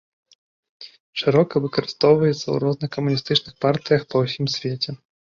Шырока выкарыстоўваецца ў розных камуністычных партыях па ўсім свеце.